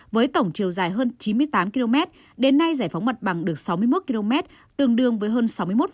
với tổng chiều dài hơn chín mươi tám km đến nay giải phóng mặt bằng được sáu mươi một km tương đương với hơn sáu mươi một